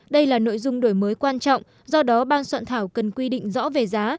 đây là nội dung đổi mới quan trọng do đó ban soạn thảo cần quy định rõ về giá